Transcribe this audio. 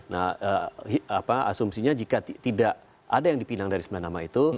nah asumsinya jika tidak ada yang dipinang dari sembilan nama itu